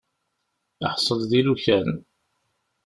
Iḥṣel di lukan.